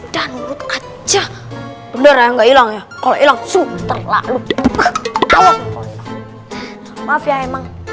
dan rute aja beneran nggak ilang ya kalau ilang sukses lalu maaf ya emang